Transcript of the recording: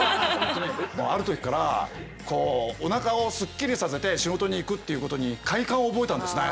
ある時からこうおなかをすっきりさせて仕事に行くっていうことに快感を覚えたんですね。